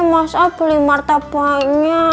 mas al beli martabaknya